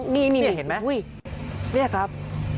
นี่ครับ